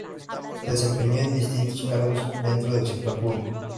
Se desempeñó en distintos cargos dentro del sector público.